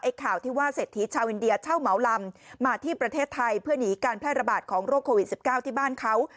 ข่าวที่ว่าเศรษฐีชาวอินเดียเช่าเหมาลำมาที่ประเทศไทยเพื่อหนีการแพร่ระบาดของโรคโควิด๑๙ที่บ้านเขา